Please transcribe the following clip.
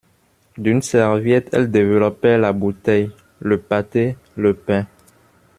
D'une serviette elle développait la bouteille, le pâté, le pain.